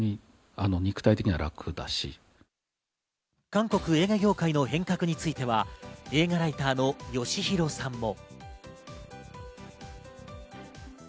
韓国映画業界の変革については映画ライターのよしひろさんも。